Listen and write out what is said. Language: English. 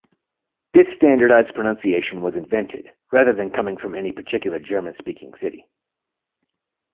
This standardised pronunciation was invented, rather than coming from any particular German-speaking city.